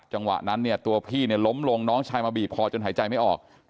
จังหวะนั้นเนี่ยตัวพี่เนี่ยล้มลงน้องชายมาบีบคอจนหายใจไม่ออก